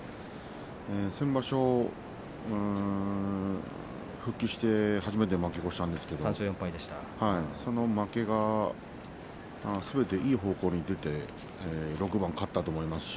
先場所、復帰して初めて負け越したんですがそれが、すべていい方向に出て６番勝ったと思います。